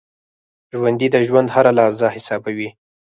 ژوندي د ژوند هره لحظه حسابوي